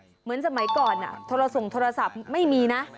เหมือนสมัยก่อนโทรส่งโทรศัพท์ไม่มีนะ